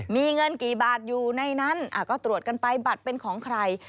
มีเงินกี่บาทอยู่ในนั้นก็ตรวจกันไปบัตรเป็นของใคร